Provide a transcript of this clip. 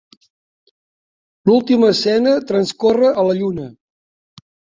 L'última escena transcorre a la Lluna.